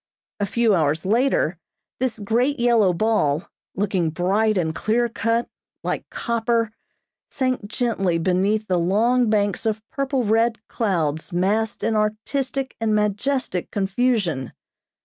A few hours later, this great yellow ball, looking bright and clear cut, like copper, sank gently beneath the long banks of purple red clouds massed in artistic and majestic confusion.